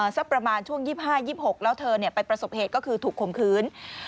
สักประมาณช่วง๒๕๒๖แล้วเธอไปประสบเหตุก็คือถูกข่มขืน